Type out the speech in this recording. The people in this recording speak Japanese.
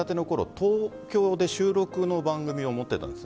東京で収録の番組を持っていたんです。